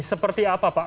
seperti apa pak